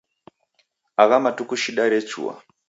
Agha matuku shida rechua.